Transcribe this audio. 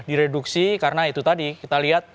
direduksi karena itu tadi kita lihat